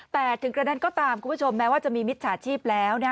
๘ถึงกระแดนก็ตามคุณผู้ชมแม้ว่าจะมีมิตรสาธิบแล้ว